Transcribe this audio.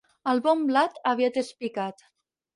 El bon blat aviat és picat.